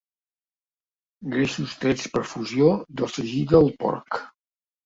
Greixos trets per fusió del sagí del porc.